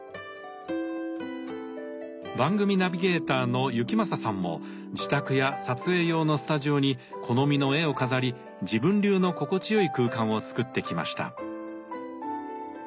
番組ナビゲーターの行正さんも自宅や撮影用のスタジオに好みの絵を飾り自分流の心地よい空間を作ってきました。